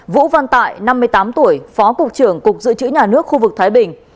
vũ văn tại năm mươi tám tuổi phó cục trưởng cục dự trữ nhà nước khu vực thái bình